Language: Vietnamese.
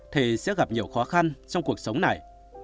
thì sẽ gặp nhiều khó khăn trong cuộc sống này